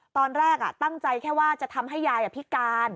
ตอนแรกตั้งใจแค่ว่าจะทำให้ยายพิการ